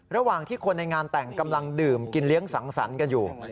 ระหว่างที่คนในงานแต่งกำลังดื่มกินเลี้ยงสังสรรค์กันอยู่